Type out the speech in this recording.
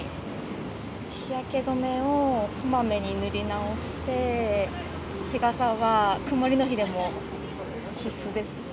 日焼け止めをこまめに塗り直して、日傘は曇りの日でも必須ですね。